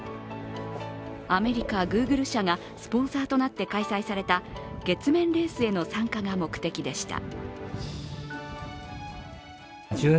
アメリカ・Ｇｏｏｇｌｅ社がスポンサーとなって開催された月面レースへの参加が目的でした。